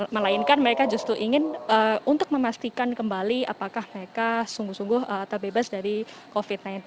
melainkan mereka justru ingin untuk memastikan kembali apakah mereka sungguh sungguh terbebas dari covid sembilan belas